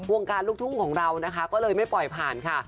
วงการลูกทุ่งของเรานะคะก็เลยไม่ปล่อยผ่านค่ะ